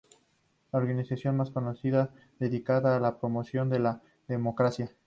Es la organización más conocida dedicada a la promoción de la democracia.